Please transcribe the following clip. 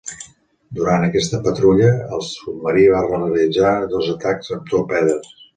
Durant aquesta patrulla, el submarí va realitzar dos atacs amb torpedes.